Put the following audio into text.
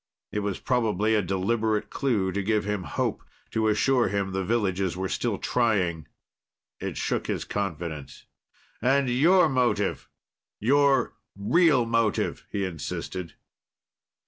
It was probably a deliberate clue to give him hope, to assure him the villages were still trying. It shook his confidence. "And your motive your real motive?" he insisted.